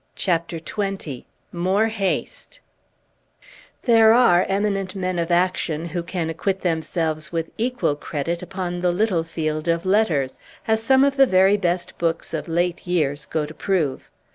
CHAPTER XX MORE HASTE There are eminent men of action who can acquit themselves with equal credit upon the little field of letters, as some of the very best books of late years go to prove.